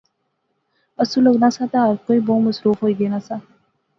آسو لغنا سا تہ ہر کوئی بہوں مصروف ہوئی گینا سا